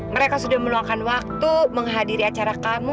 mereka sudah meluangkan waktu menghadiri acara kamu